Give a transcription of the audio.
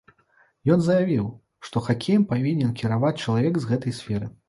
Ён заявіў, што хакеем павінен кіраваць чалавек з гэтай сферы.